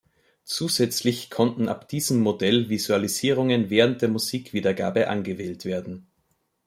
Zusätzlich konnten ab diesem Modell Visualisierungen während der Musikwiedergabe angewählt werden.